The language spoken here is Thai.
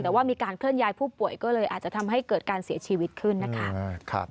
แต่ว่ามีการเคลื่อนย้ายผู้ป่วยก็เลยอาจจะทำให้เกิดการเสียชีวิตขึ้นนะคะ